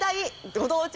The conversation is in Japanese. ご当地